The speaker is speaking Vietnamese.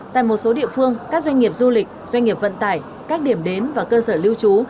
tại một số địa phương các doanh nghiệp du lịch doanh nghiệp vận tải các điểm đến và cơ sở lưu trú